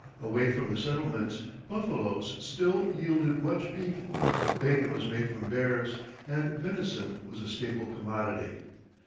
Away from the settlements buffaloes still yielded much beef, bacon was made from bears, and venison was a staple commodity.